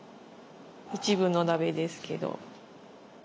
一部の鍋ですけど。